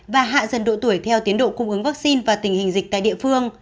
và hạ dần độ tuổi theo tiến độ cung ứng vaccine và tình hình dịch tại địa phương